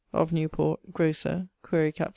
... of Newport, grocer (quaere capt.